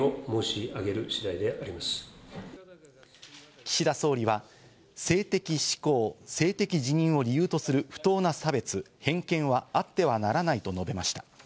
岸田総理は、性的指向、性的自認を理由とする不当な差別・偏見はあってはならないと述べました。